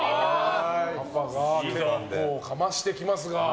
パパ、かましてきますが。